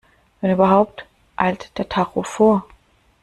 Wenn überhaupt, eilt der Tacho vor.